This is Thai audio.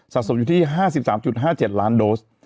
สมอยู่ที่๕๓๕๗ล้านโดส